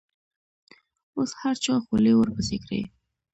اوس هر چا خولې ورپسې کړي.